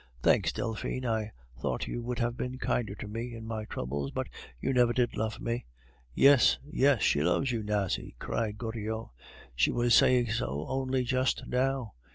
"Thanks! Delphine. I thought you would have been kinder to me in my troubles, but you never did love me." "Yes, yes, she loves you, Nasie," cried Goriot; "she was saying so only just now.